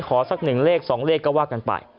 ขอสัก๑เลข๒เลขก็ว่ากันไป